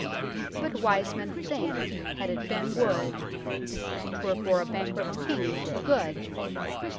But wise men think had it been wood, Twere for a bankrupt King too good.